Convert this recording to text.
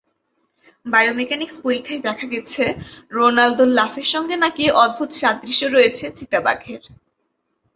Biomechanics পরীক্ষায় দেখা গেছে, রোনালদোর লাফের সঙ্গে নাকি অদ্ভুত সাদৃশ্য রয়েছে চিতা বাঘের।